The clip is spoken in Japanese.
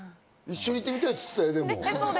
行ってみたいって言ってたよ。